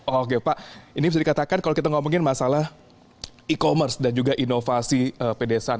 oke pak ini bisa dikatakan kalau kita ngomongin masalah e commerce dan juga inovasi pedesaan